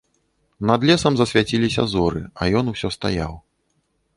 Над лесам засвяціліся зоры, а ён усё стаяў.